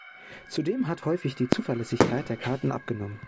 Zudem hat häufig die Zuverlässigkeit der Karten abgenommen.